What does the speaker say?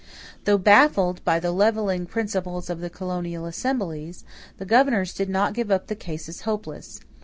Though baffled by the "levelling principles" of the colonial assemblies, the governors did not give up the case as hopeless.